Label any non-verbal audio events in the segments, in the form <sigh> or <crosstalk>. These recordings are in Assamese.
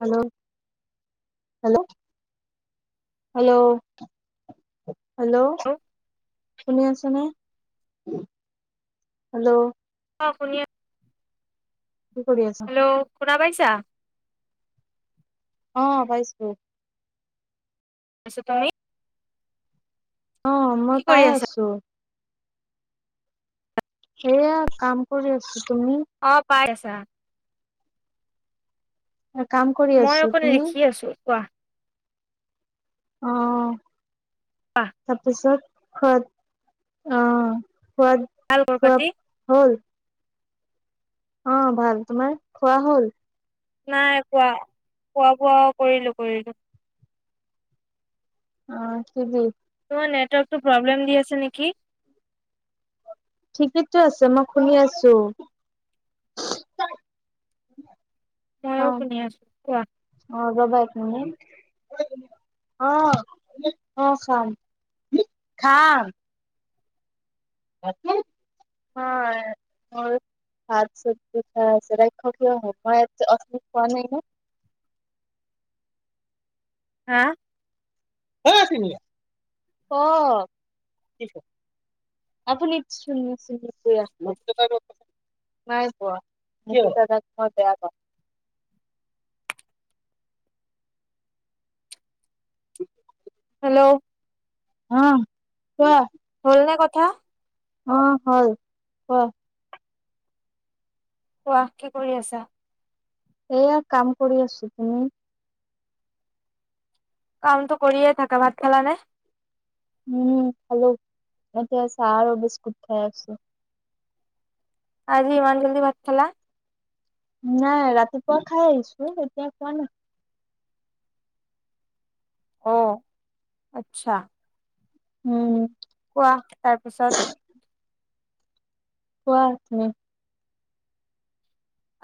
হেল্ল, হেল্ল', হেল্ল' হেল্ল' শুনি আছোঁ। নে হেল্ল' অ শুনিয় কি কৰি আছ। শুনা পাইছা? অ পাইছো। আছো, তুমি। অ কি মই কৰি পাই আছা আছো। সেয়া কাম কৰি আছো। তুমি? অ পাই আছা। কাম কৰি মই আছো অকণ তুমি লেখি আছো কোৱা। আহ। কোৱা তাৰপিছত। হয়, অ খোৱা ভাল খবৰ খোৱা পাতি হ'ল। অঁ ভাল তোমাৰ খোৱা হ'ল? নাই কোৱা খোৱা বোৱা কৰিলো কৰিলো। অঁ কি কি তোমাৰ নেটৱৰ্কতো প্ৰব্লেম দি আছে নেকি? ঠিকেই তো আছে মই শুনি আছো। অ ময়ো শুনি আছো কোৱা অ ৰবা এক মিনত অঁ অঁ অঁ খাম খাম। মোৰ ভাত চব্জি খাই আছো ৰাক্ষসে নাই যে উঠুপি খোৱা নাই যে হাঁ ক ক আপুনি চুনু চুনু কৈ আছিলে যে নাই পোৱা কিয় দাদাক মই বেয়া পাওঁ উম <unintelligible> হেল্ল' অহ কোৱা। হলনে কথা অহ হল কহ কোৱা কি কৰি আছা? এয়া কাম কৰি আছো তুমি কামটো কৰিয়ে থাকা ভাত খালা নে! উম হেল্ল' এতিয়া চাহ আৰু বিস্কুট খাই আছো। আজি ইমান জল্দি ভাত খালা? নাই ৰাতি পুৱা খাই আহিছো এতিয়া খোৱা নাই, । অঁ আচ্ছা উম কোৱা তাৰপিছত কোৱা তুমি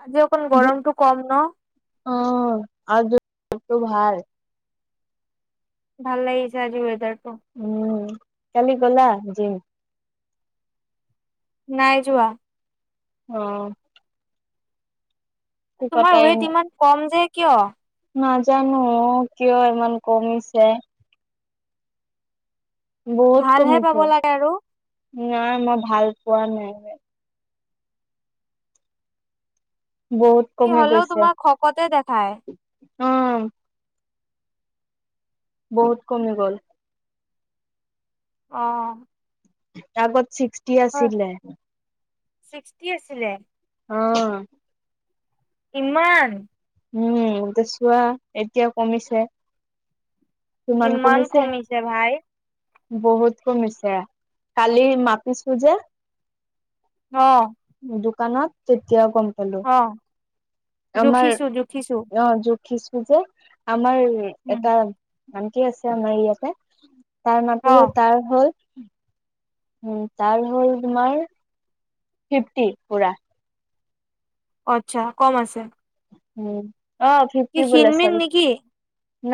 আজি অকন গৰমটো কম ন অ আজি বতৰটো ভাল ভাল লাগিছে আজি ৱেদাৰ উম কালি গলা জিম নাই যোৱা অঁ তোমাৰ ৱেইট ইমান কম যে কিয় নাজানো কিয় ইমান কমিছে বহুত ভালহে কমিছে পাব লাগে আৰু নাই মই ভাল পোৱা নাই বহুত ক্ষীণ কমি হ'লেও তোমাক শকতে দেখায় উম বহুত কমি গ'ল অ আগত চিক্স চিক্সতি হয় আছিলে ছিক্সটি আছিলে অ ইমান উম চোৱা এতিয়া কমিছে কিমান কমিছে ভাই বহুত কমিছে কালি মাপিছো যে অহ দোকানত তেতিয়া কম পালো আমাৰ জুখিছো জুখিছো অ যো খিচুযে আমাৰ উ উম, এটা ধান কি আছে আমাৰ ইয়াতে তাৰ মাপহও অ'। তাৰ হল উম উম তাৰ হল তোমাৰ ফিফটি পুৰা আচ্ছা কম আছে উম অ কি ফিফটি বুলি ক্ষীণমিন চৰি নেকি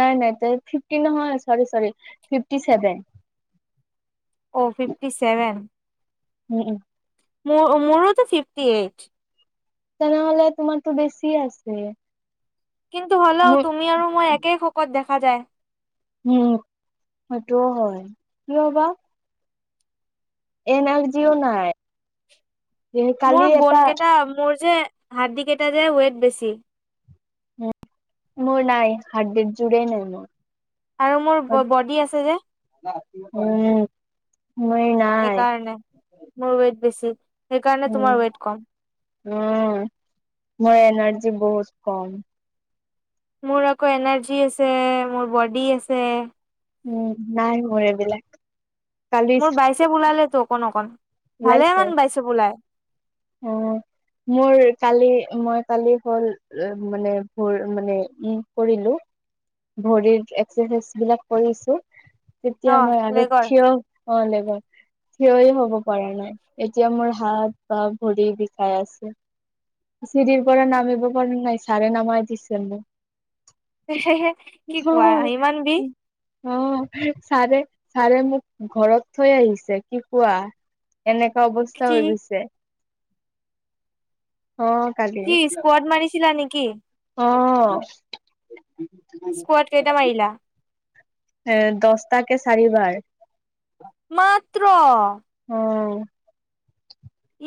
নাই নাই ত ফিফটি নহয় চৰি চৰি ফিফটি চছেভেন অ' ফিফটি উম উম ম মোৰোত ফিফটি এইট তেনেহলে তোমাৰতো বেছি আছে কিন্তু হ'লও মোৰ তুমি আৰু মই একে শকত দেখা সদায় উম সটো হয় কিৱবা এনাৰ্জিও নাই কালি মোৰ এটা বনকেইটা মোৰ যে হাড়দি কেইটা যে ৱেট বেছি মোৰ নাই হাড্ডিৰ জুৰে নাই মোৰ আৰু মোৰ বডী আছে যে উম মই নাই সেইকাৰণে মোৰ ৱেইট বেছি সেইকাৰণে তোমাৰ উম, ৱট কম উম মই এনাৰজি বহুত কম মোৰ আকৌ এনাৰ্জী আছে মোৰ বডি আছে উম নাই মোৰ এইবিলাক কালি মোৰ বাইছে ওলালে তো অকণ অকন ভালে ওলাইছে মান বাইছেপ ওলাই অ', মোৰ কালি মই কালি হ'ল মানে ভোৰ মানে উ কৰিলো। ভৰি এক্সাৰচাইজ বিলাক কৰিছো। অ তেতিয়া মই আগত লেগৰ থিয় হোৱা লেগে থিয় হব পৰা নাই, এতিয়া মোৰ হাত বা ভৰি বিষাই আছে চিৰিৰ পৰা নামিব পৰা নাই ছাৰে নামাই দিছে মোক। কি কোৱা? ইমান বিষ অ', ছাৰে-ছাৰে মোক ঘৰত থৈ আহিছে কি কোৱা। এনেকোৱা অৱস্থা কি হৈ গৈছে। অ', কালি কি স্কোৱাড মাৰিছিলা নেকি? কি? অ', স্কোৱাড কেইটা মাৰিলা? এ দছটা কে চাৰিবাৰ। মাত্ৰ? অ'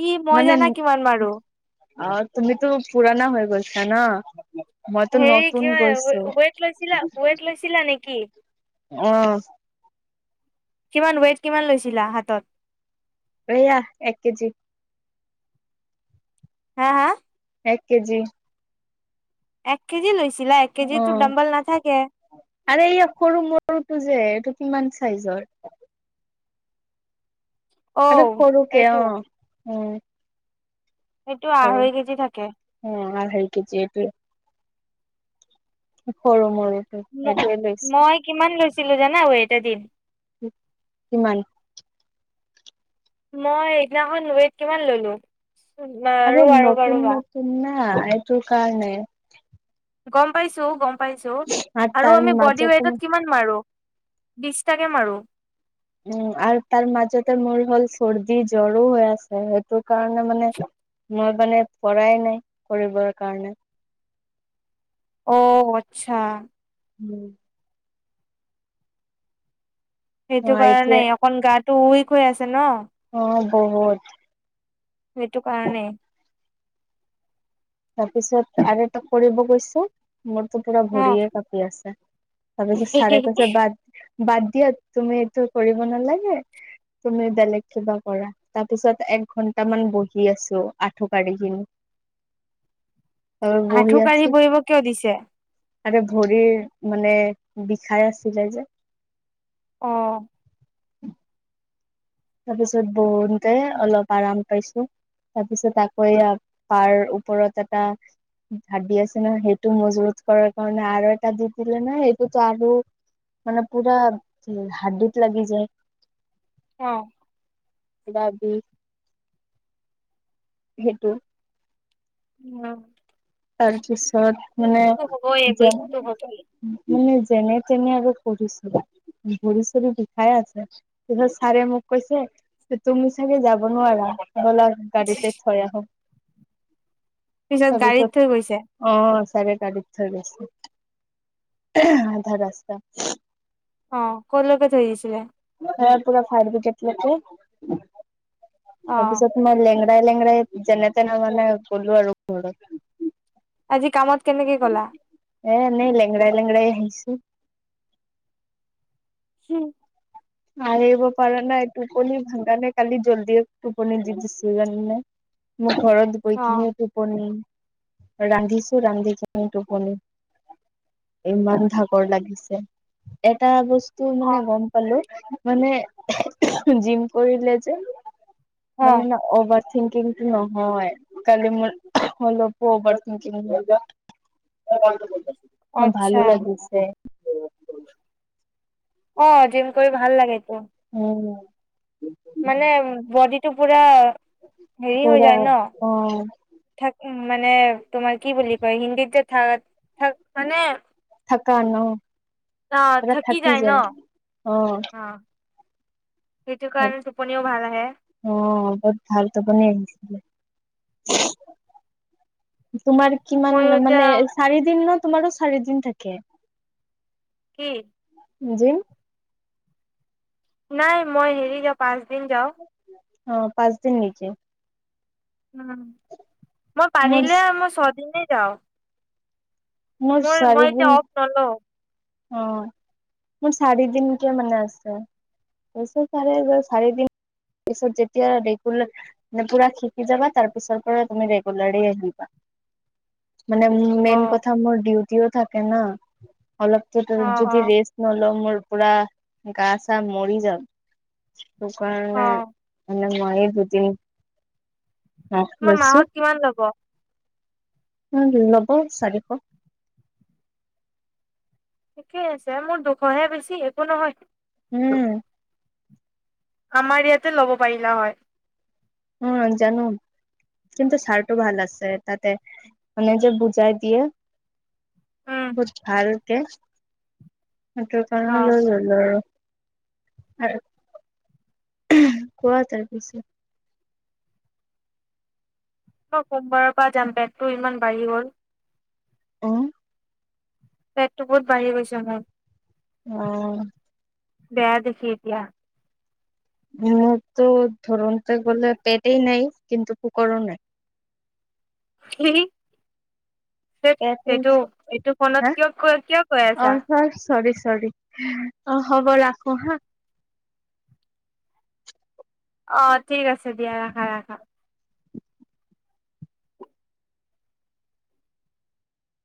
ই মই মানে জানা কিমান মাৰো? অ', তুমিতো পুৰণা হৈ গৈছা না। হেৰি কি হয় ৱেট লৈছিলা ৱেট লৈছিলা নেকি? উম, কিমান ৱেইট কিমান লৈছিলা হাতত? এইয়া এক কেজি। হা-হা, এক কেজি। এক কেজি লৈছা চিলা এক কেজিতো ডাম্বল নাথাকে। আৰু এই সৰু মৰুটো যে এইটো কিমান চাইজৰ? অ আ, সৰুকে এইটো অ', উম, সেইটো আঢ়ৈ কেজি থাকে। ভ কি যেয়া <unintelligible> সৰু মৰু, মই কিমান লৈছো ছিলো জানা ৱেড এটা দিন? কিমান? মই সেইদিনাখন ৱেদ কিমান ললো, আৰু-আৰু ৰবা-ৰবা হা' এইটো কাৰনে। গম পাইছো গম প পাইছো আৰু তাৰ আমি বডি মাজতে ৱেটত কিমান মাৰো? বিছটাকে মাৰোঁ উম', আৰু তাৰ মাজতে মোৰ হ'ল চৰ্দি, জ্বৰো হৈ আছে ।সেইটো কাৰণে মানে মই মানে পৰাই নাই কৰিবৰ কাৰণে। অ', আচ্ছা। উম', অ সেইটো কাৰণে এতিয়া অকন গাত, টু -উইক হৈ আছে ন', অ', বহুত। সেইটো কাৰণে। তাৰপিছত আৰু এটা কৰিব গৈছো। মোৰটো পুৰা অ' ভৰিয়ে কাপি আছে, তাৰপিছত চাৰে কৈছে বাদ বাদ দিয়া তুমি এইটো কৰিব নালাগে তুমি বেলেগ কিবা কৰা। তাৰপিছত এক ঘন্টামান বহি আছো আঠুকাাঢ়িকিনি। আঠু-কাঢ়ি বহিব কিয় দিছে? আৰে ভৰি মানে বিষাই আছিলে যে। অহ', তাৰপিছত বহোতে অলপ আৰাম পাইছো। তাৰপিছত আকৌ এইয়া পাৰ ওপৰত এটা হাড্ডিত আছে ন', সেইটো মজবুত কৰাৰ কাৰণে আৰু এটা দি দিলে ন', এইটোতো আৰু মানে পুৰা হাড্ডিত লাগি যায়। অ', পোৰা বিষ সেইটো, উম <unintelligible> ঘৰত মানে যাওঁ ৱেইটটো হ'বই। মানে, যেনে তেনে আৰু পঢ়িছোঁ, ঘূৰি চুৰি বিষাই আছে তাৰপিছত ছাৰে মোক কৈছে, যে', তুমি চাগে যাব নোৱাৰা। উলা, গাড়ীত যায় থৈ আহোঁ। পিছত গাড়ীত, <unintelligible> চাগে গাড়িত থৈ গৈছে, আধা ৰাস্তাত। অ', কলৈকে থৈ আহিছিলেঃ এ', পুৰা ফায়াৰ ব্ৰিকেত লৈকে। অ'। তাৰপিছত মানে লেং, লেংৰাই-লেংৰাই যেনে- তেনে, মানে গলো আৰু ঘৰত। আজি কামত কেনেকে গ'লা? এ', এনেই লেংৰাই -লেংৰাই আহিছোঁ। হম', আহিব পাৰা নাই, টোপনি ভাংগা নাই, কালি জল্দি টোপনি দি দিছিলো জানানে। মোৰ ঘৰত অ', গৈকিনি টোপনি, ৰান্ধিছো, ৰান্ধি কিনি টোপনি ইমান ভাগৰ লাগিছে এটা বস্তু তোৰ মানে গম পালো, মানে জিম কৰিলে যে', অ', মানে ন', অব থিংকিংটো নহয় কালি মোৰ অলপ অভাৰ থিংকিং হৈ য অ আচ্ছা ভালো লাগিছে অ জিম কৰি ভাল লাগেটো‌ উম‌ মানে বডিটো পুৰা‌ হেৰি হৈ পুৰা যায় ন অ থ‌া উ মানে তোমাৰ কি বুলি কয় হিন্দীত যে থাক থ মানে থকা ন পৰা থাকি যায় অহ অ', সেইটো কাৰণে টোপনিও ভাল আহে অ বহুত ভালটো বন আহছো <unintelligible> তোমাৰ কিমান ময়ো এতিয়া মানে চাৰি দিনত তোমাৰো চাৰি দিন থাকে কি জি নাই মই হেৰি যাওঁ পাঁচ দিন যাওঁ অ পাঁচ দিন নিজে উম মই মোৰ পাৰিলে মোৰ ছদিন যাও মোৰ মই এতিয়া অফ নল অ মোৰ চাৰি দিনকে মানে আছে চাৰে চাৰি দিন পিছত যেতিয়া ৰেগুলাৰ পুৰা শিকি যাবা তাৰ পিছৰ পৰা তুমি ৰেগুলাৰ আহিবা মানে মেইন অ', কথা মোৰ ডিউট ও থাকে না অলপ অ', যদি অ', ৰেষ্ট নলওঁ মোৰ পুৰা গা আৰু মৰি যাম তকাৰ অ', এ ময় বুদ্ধি তোমাৰ মাহত কিমান ল'ব উ নব চাৰিশ ঠিকেই আছে মোৰ দুশহে বেছি একো নহয় উম আমাৰ ইয়াতে ল'ব পাৰিলা হয় উম জানো কিন্তন্তু ছাৰটো ভাল আছে তাতে মান যে বুজাই দিয়ে উম বহুত ভাল হে ', সেইটো অ কাৰণে লৈ মই ললোঁ আৰু আৰু, উহ ', কোৱা তাৰ পিছত? অ', সোমবাৰৰ পৰা যাম বেগতটো ইমান বাঢ়ি গল। অহ ', পেটতটো বহুত বাঢ়ি গৈছে মোৰ। অ', বেয়া দেখি এতিয়া। মোৰতো ধৰোনতে গলে পেটেই নাই, কিন্তু পুকৰ নাই। হে ', - হে ', হে পেটো ', এইটো নাই -এইটো ফোনত হা কিয় কৈ -কিয় কৈ অ আছা। চৰি চৰি চৰি, অ', হ'ব ৰাখো হা। অ', ঠিক আছে। চয়হা <inaudible>